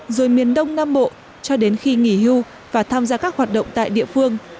rồi miền đông nam bộ cho đến khi nghỉ hưu và tham gia các hoạt động tại địa phương